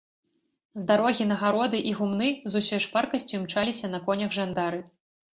З дарогі на гароды і гумны з усёй шпаркасцю імчаліся на конях жандары.